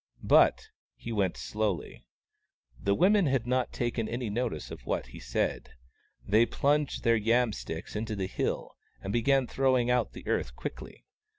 But he went slowly. The women had not taken any notice of what he said. They plunged their yam sticks into the hill, and began throwing out the earth quickly.